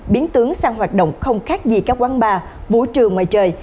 biến tướng sang hoạt động không khác gì các quán bar vũ trường ngoài trời